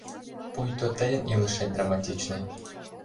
Пуйто тыйын илышет драматичный.